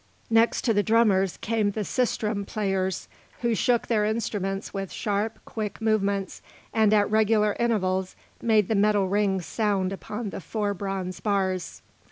Next to the drummers came the sistrum players, who shook their instruments with sharp, quick movements, and at regular intervals made the metal rings sound upon the four bronze bars.